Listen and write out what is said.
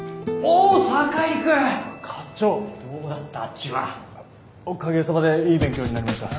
おかげさまでいい勉強になりました。